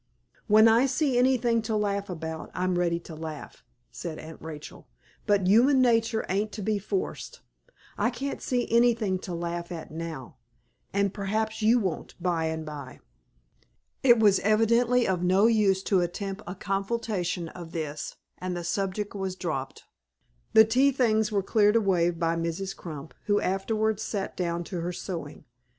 "When I see anything to laugh about, I'm ready to laugh," said Aunt Rachel; "but human nature ain't to be forced. I can't see anything to laugh at now, and perhaps you won't by and by." It was evidently of no use to attempt a confutation of this, and the subject dropped. The tea things were cleared away by Mrs. Crump, who afterwards sat down to her sewing.